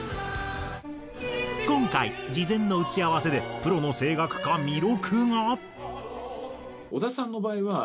今回事前の打ち合わせでプロの声楽家彌勒が。